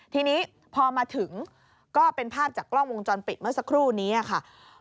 ทีนี้พอมาถึงก็เป็นภาพจากกล้องวงจรปิดเมื่อสักครู่นี้ค่ะ